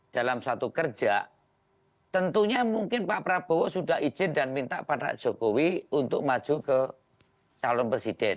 dalam satu kerja tentunya mungkin pak prabowo sudah izin dan minta pak jokowi untuk maju ke calon presiden